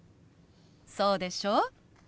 そうでしょ？